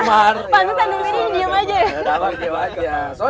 panjutan dulu ini diem aja ya